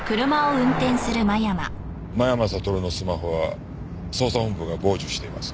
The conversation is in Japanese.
間山悟のスマホは捜査本部が傍受しています。